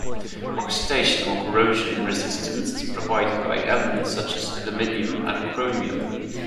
Oxidation or corrosion resistance is provided by elements such as aluminium and chromium.